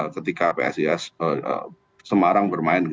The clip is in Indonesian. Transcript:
ketika pssi semarang bermain